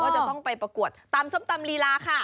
จะต้องไปประกวดตำส้มตำลีลาค่ะ